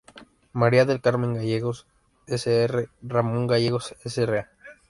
María del Carmen Gallegos, Sr. Ramón Gallegos, Sra.